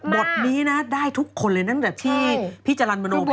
บทนี้ได้ทุกคนเลยตั้งแต่ที่พี่จารันบนโอเพชร